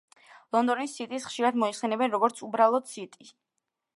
ლონდონის სიტის ხშირად მოიხსენიებენ, როგორც უბრალოდ სიტი.